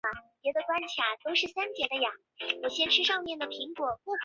台中市立大墩文化中心是位于台中市西区的公立艺文场所。